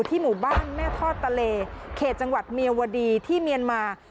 หมู่บ้านแม่ทอดตะเลเขตจังหวัดเมียวดีที่เมียนมา